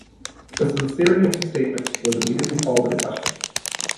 The sincerity of the statement was immediately called into question.